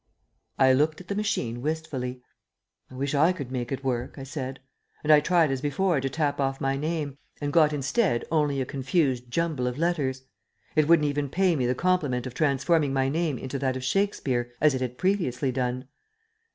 I looked at the machine wistfully. "I wish I could make it work," I said; and I tried as before to tap off my name, and got instead only a confused jumble of letters. It wouldn't even pay me the compliment of transforming my name into that of Shakespeare, as it had previously done.